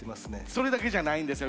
それだけじゃないんですよ